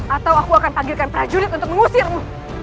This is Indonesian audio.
atau aku akan panggilkan prajurit untuk mengusirmu